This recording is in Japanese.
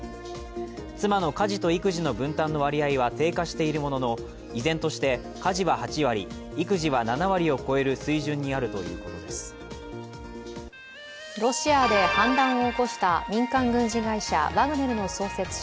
妻の家事と育児の分担の割合は低下しているものの依然として、家事は８割、育児は７割を超えるロシアで反乱を起こした民間軍事会社ワグネルの創設者